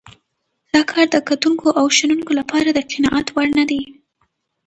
دا کار د کتونکو او شنونکو لپاره د قناعت وړ نه دی.